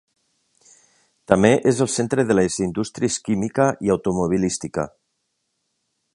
També és el centre de les indústries química i automobilística.